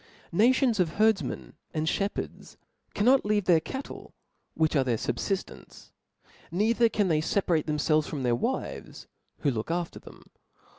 Nations of herdfmen and fhepherds cannot leave their cattle, which are their fubfillence ; neither can they feparate themfelves from their wives, who look after them.